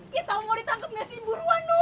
ya tau mau ditangkap gak sih buruan dong